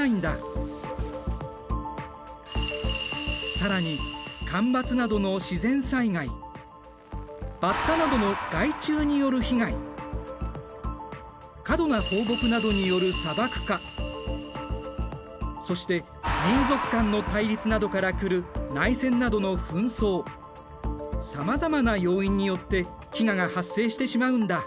更に干ばつなどの自然災害バッタなどの害虫による被害過度な放牧などによる砂漠化そして民族間の対立などからくる内戦などの紛争さまざまな要因によって飢餓が発生してしまうんだ。